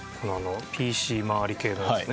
ＰＣ周り系のやつね。